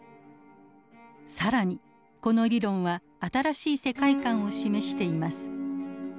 更にこの理論は新しい世界観を示しています。